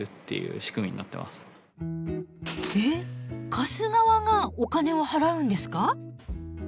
貸す側がお金を払うんですか？